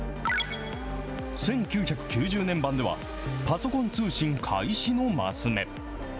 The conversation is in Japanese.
１９９０年版では、パソコン通信開始のマス目。